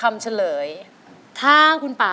นี่คือเพลงที่นี่